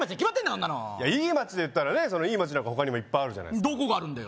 そんなのいい街でいったらねいい街なんか他にもいっぱいあるじゃないすかどこがあるんだよ